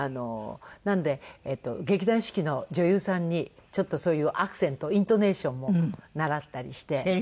なので劇団四季の女優さんにちょっとそういうアクセントイントネーションも習ったりして。